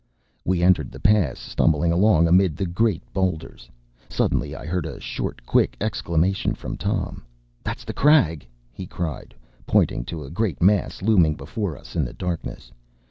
We entered the pass, stumbling along amid the great boulders. Suddenly I heard a short, quick exclamation from Tom. “That’s the crag!” he cried, pointing to a great mass looming before us in the darkness.